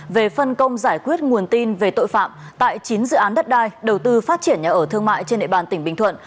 về phân công giải quyết nguồn tin về tội phạm tại chín dự án đất đai đầu tư phát triển nhà ở thương mại trên địa bàn tỉnh bình thuận